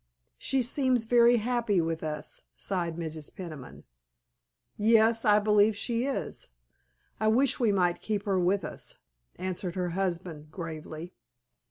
"She seems very happy with us," sighed Mrs. Peniman. "Yes, I believe she is. I wish we might keep her with us," answered her husband gravely.